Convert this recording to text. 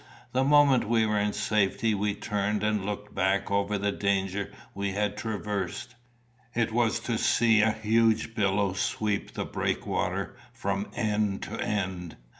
The moment we were in safety we turned and looked back over the danger we had traversed. It was to see a huge billow sweep the breakwater from end to end.